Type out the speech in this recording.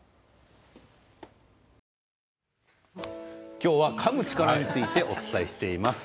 今日はかむ力についてお伝えしています。